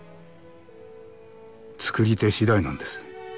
作り手次第なんです。